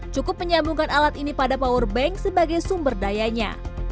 cukup menyambungkan alat ini pada powerbank sebagai sumber dayanya